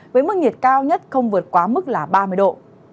với mức nhiệt cao nhất không vượt quá mức là ba mươi độ